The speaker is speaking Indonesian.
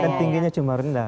kan tingginya cuma rendah